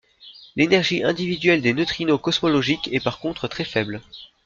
L'énergie individuelle des neutrinos cosmologiques est par contre très faible.